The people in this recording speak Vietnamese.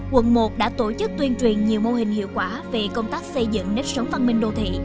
quận một đã tổ chức tuyên truyền nhiều mô hình hiệu quả về công tác xây dựng nếp sống văn minh đô thị